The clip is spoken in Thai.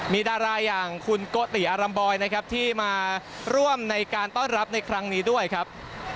มีดาราอย่างคุณโกติอารัมบอยนะครับที่มาร่วมในการต้อนรับในครั้งนี้ด้วยครับ